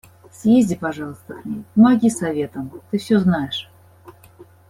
Съезди, пожалуйста, к ней, помоги советом, ты всё знаешь.